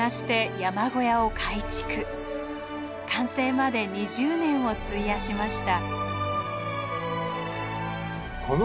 完成まで２０年を費やしました。